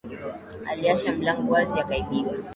Aliacha mlangu wazi akaibiwa